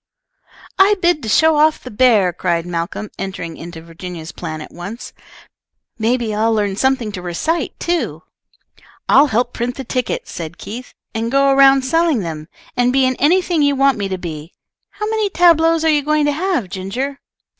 "I bid to show off the bear," cried Malcolm, entering into Virginia's plan at once. "May be I'll learn something to recite, too." "I'll help print the tickets," said Keith, "and go around selling them, and be in anything you want me to be. How many tableaux are you going to have, Ginger?"